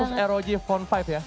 terus rog phone lima ya